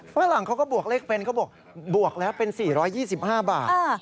ฝรั่งเขาก็บวกเลขเป็นเขาบอกบวกแล้วเป็น๔๒๕บาท